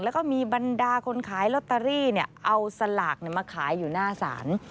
แล้วก็มีบรรดาคนขายลอตเตอรี่เอาสลากมาขายอยู่หน้าศาล